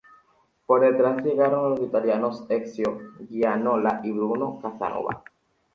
Por detrás llegaron los italianos Ezio Gianola y Bruno Casanova.